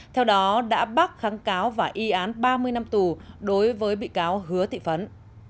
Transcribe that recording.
theo đó đã bác kháng cáo và y án ba mươi năm tù đối với bị cáo hứa thị phấn